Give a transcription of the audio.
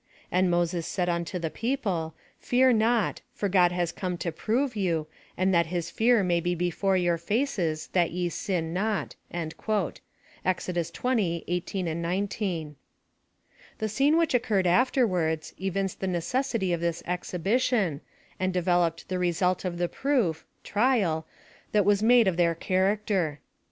And Moses said unto the people, Fear not, for God has come to prove you, and that his fear may be before your faces that ye sin not.'' — Ex. 20 ; 18, 19. The scene which occurred aAerwards, evinced the necessity ol this exhibition, and developed the result of the proof, [trial] that was made of their character.